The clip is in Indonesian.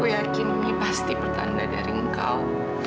aku yakin ini pasti pertanda dari engkau